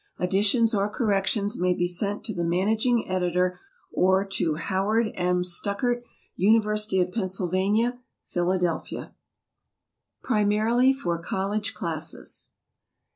Additions or corrections may be sent to the managing editor, or to Howard M. Stuckert, University of Pennsylvania, Philadelphia. Primarily for College Classes.